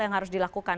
yang harus dilakukan